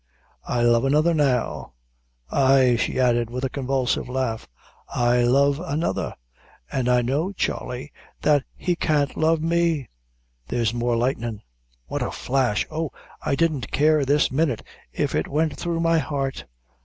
I love another now ay," she added, with a convulsive sigh, "I love another; and, I know, Charley, that he can't love me there's more lightnin' what a flash! Oh, I didn't care this minute if it went through my heart."